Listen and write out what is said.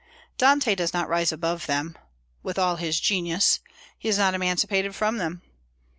Dante does not rise above them, with all his genius; he is not emancipated from them.